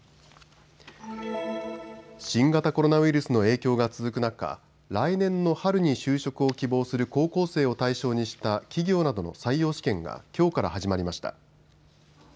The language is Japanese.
新型コロナウイルスの影響が続く中、来年の春に就職を希望する高校生を対象にした企業などの採用試験がきょうから始まりました。